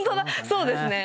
そうですね。